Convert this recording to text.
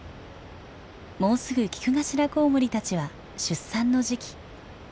もうすぐキクガシラコウモリたちは出産の時期。